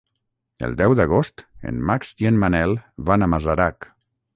El deu d'agost en Max i en Manel van a Masarac.